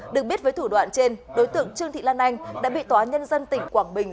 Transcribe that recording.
được biết với thủ đoạn trên đối tượng trương thị lan anh đã bị tòa nhân dân tỉnh quảng bình